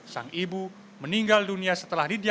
sang ibu meninggal dunia setelah didiam